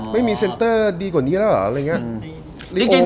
ไม่มีเซนเตอร์ดีกว่านี้เหรอ